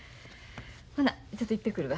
ほなちょっと行ってくるわ。